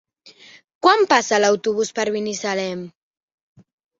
Quan passa l'autobús per Binissalem?